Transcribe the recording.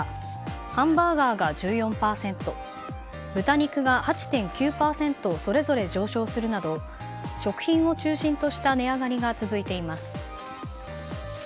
ハンバーガーが１４％豚肉が８．９％それぞれ上昇するなど食品を中心とした値上がりが続いています。